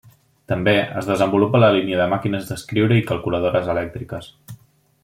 També, es desenvolupa la línia de màquines d'escriure i calculadores elèctriques.